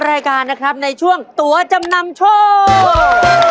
รายการนะครับในช่วงตัวจำนำโชค